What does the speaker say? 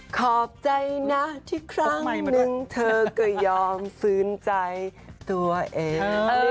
ขอบใจนะที่ครั้งหนึ่งเธอก็ยอมฟื้นใจตัวเอง